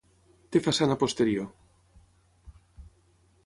Té façana posterior.